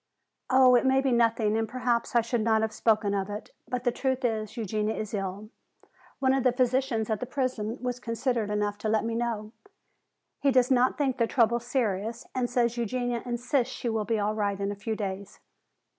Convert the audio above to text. "Oh, it may be nothing and perhaps I should not have spoken of it. But the truth is, Eugenia is ill. One of the physicians at the prison was considerate enough to let me know. He does not think the trouble serious and says Eugenia insists she will be all right in a few days.